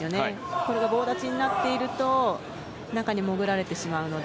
これが棒立ちになっていると中に潜られてしまうので。